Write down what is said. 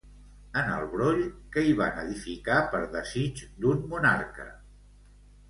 En el broll, què hi van edificar per desig d'un monarca?